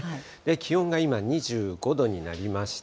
気温が今、２５度になりました。